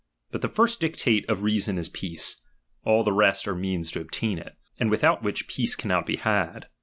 But the first dictate of reason is peace ; all the rest are means to obtain it, and without which peace cannot be had.